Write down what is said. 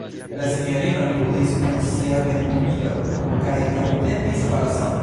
La sinjorino ludis kun sia ventumilo kaj kantetis valson.